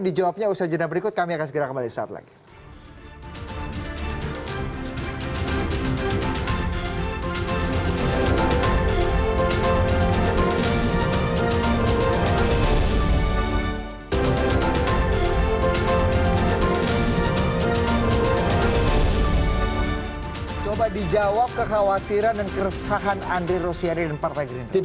dijawabnya usaha jenderal berikut